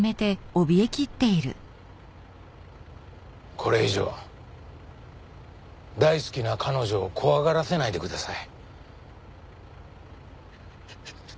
これ以上大好きな彼女を怖がらせないでください。